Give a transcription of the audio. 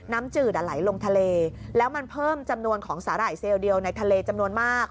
จืดไหลลงทะเลแล้วมันเพิ่มจำนวนของสาหร่ายเซลลเดียวในทะเลจำนวนมาก